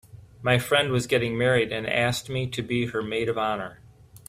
My friend was getting married and asked me to be her maid of honor.